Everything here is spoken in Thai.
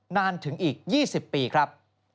นานถึงอีก๒๐ปีครับ